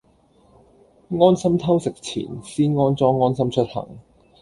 安心偷食前先安裝安心出行